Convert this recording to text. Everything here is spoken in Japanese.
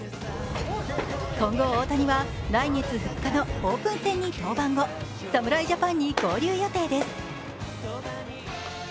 今後、大谷は来月２日のオープン戦に登板後、侍ジャパンに合流予定です。